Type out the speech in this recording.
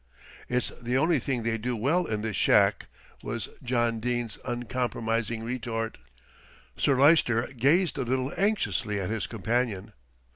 "It's the one thing they do well in this shack," was John Dene's uncompromising retort. Sir Lyster gazed a little anxiously at his companion.